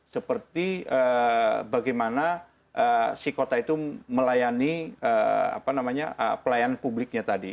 seperti bagaimana si kota itu melayani pelayanan publiknya tadi